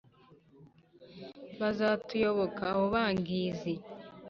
bazatuyoboka abo bangizi